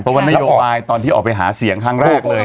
ตัวพนโลการณ์ตอนที่ออกไปหาเสียงทางแรกเลย